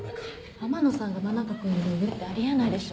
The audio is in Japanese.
天野さんが真中君より上ってあり得ないでしょ。